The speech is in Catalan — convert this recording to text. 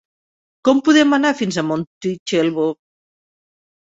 Com podem anar fins a Montitxelvo?